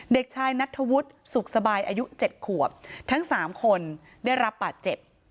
เด็กชายนัทธวุฒิสุขสบายอายุ๗ขวบทั้งสามคนได้รับบาดเจ็บ